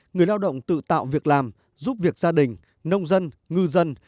người lao động tự tạo việc làm giúp việc gia đình nông dân ngư dân